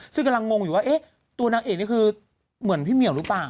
ซึ่งกำลังงงอยู่ว่าตัวนางเอกนี่คือเหมือนพี่เหมียวหรือเปล่า